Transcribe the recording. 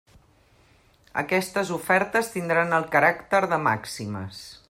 Aquestes ofertes tindran el caràcter de màximes.